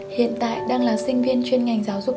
hiện tại đang là sinh viên chuyên ngành giáo dục